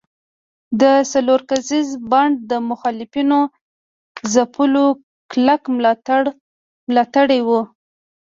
د څلور کسیز بانډ د مخالفینو ځپلو کلک ملاتړي وو.